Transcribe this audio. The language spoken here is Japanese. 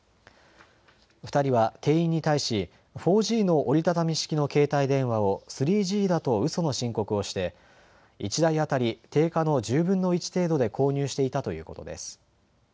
２人は店員に対し４Ｇの折り畳み式の携帯電話を３Ｇだとうその申告をして１台当たり定価の１０分の１程度で購入していたということです。